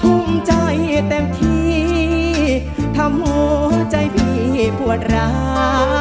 ทุ่มใจเต็มที่ทำหัวใจมีพวดร้า